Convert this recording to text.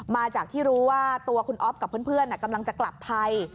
มาจากที่รู้ว่าตัวคุณอ๊อฟกับเพื่อนกำลังจะกลับไทย